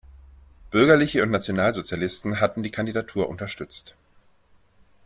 Bürgerliche und Nationalsozialisten hatten die Kandidatur unterstützt.